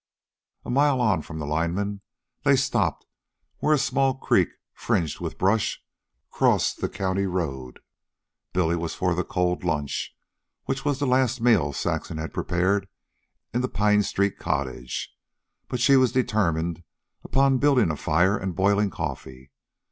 A mile on from the lineman, they stopped where a small creek, fringed with brush, crossed the county road. Billy was for the cold lunch, which was the last meal Saxon had prepared in the Pine street cottage; but she was determined upon building a fire and boiling coffee.